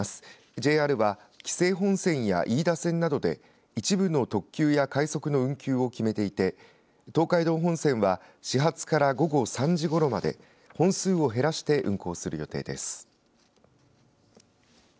ＪＲは紀勢本線や飯田線などで一部の特急や快速の運休を決めていて東海道本線は始発から午後３時ごろまで本数を減らして運行する予定です。